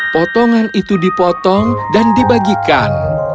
potongan itu dipotong dan dibagikan